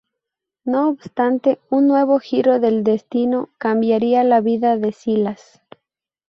No obstante, un nuevo giro del destino cambiará la vida de Silas.